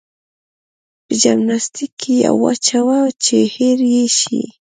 په جمناستيک کې يې واچوه چې هېر يې شي.